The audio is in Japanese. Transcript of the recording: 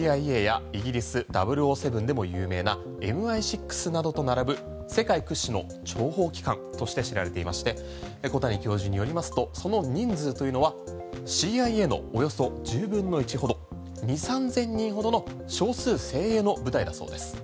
モサドアメリカのＣＩＡやイギリス「００７」でも有名なＭＩ６などと並ぶ世界屈指の諜報機関として知られていまして小谷教授によりますとその人数というのはＣＩＡのおよそ１０分の１ほど２０００３０００人ほどの少数精鋭の部隊だそうです。